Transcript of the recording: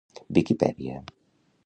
Viquipèdia.